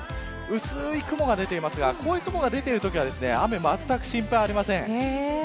薄い雲が出ていますがこういう雲が出ているときは雨の心配はまったくありません。